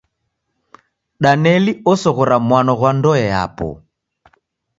Daneli osoghora mwano ghwa ndoe yapo.